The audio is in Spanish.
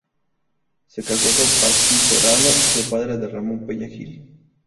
Se casó con Paz Gil Serrano y fue padre de Ramón Peña Gil.